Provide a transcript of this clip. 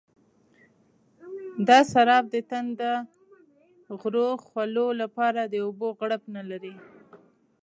دا سراب د تنده غرو خولو لپاره د اوبو غړپ نه لري.